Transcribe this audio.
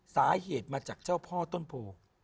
สาเหตุมาจากเจ้าพ่อต้นโพ